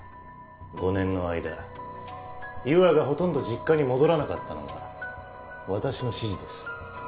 ５年の間優愛がほとんど実家に戻らなかったのは私の指示です。